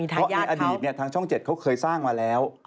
เพราะในอดีตทางช่อง๗เขาเคยสร้างมาแล้ว